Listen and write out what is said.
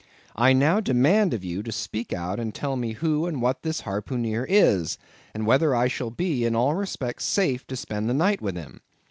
I now demand of you to speak out and tell me who and what this harpooneer is, and whether I shall be in all respects safe to spend the night with him.